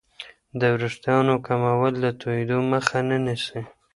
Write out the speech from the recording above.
د وریښتانو کمول د توېدو مخه نه نیسي.